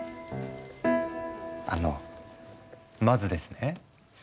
あのまずですね